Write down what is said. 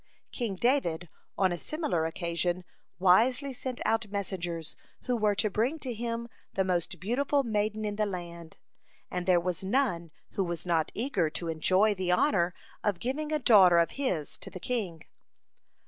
King David on a similar occasion wisely sent out messengers who were to bring to him the most beautiful maiden in the land, and there was none who was not eager to enjoy the honor of giving a daughter of his to the king.